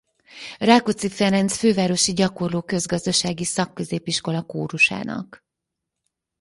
Rákóczi Ferenc Fővárosi Gyakorló Közgazdasági Szakközépiskola kórusának.